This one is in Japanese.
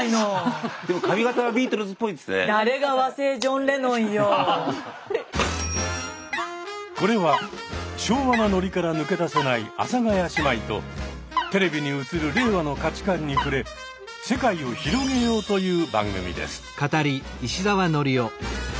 ちょっとこれは昭和なノリから抜け出せない阿佐ヶ谷姉妹とテレビに映る令和の価値観に触れ世界を広げよう！という番組です。